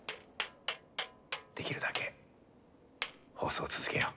できるだけ放送を続けよう。